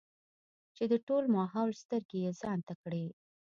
چې د ټول ماحول سترګې يې ځان ته کړې ـ